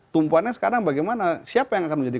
tumpuannya sekarang bagaimana siapa yang akan menjadi